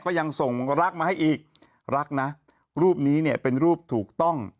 ก็ยังส่งรักมาให้อีกรักนะรูปนี้เนี่ยเป็นรูปถูกต้อง